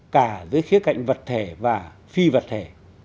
cả dưới khía cạnh vật thể và phi vật thể